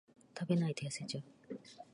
食べないと痩せちゃう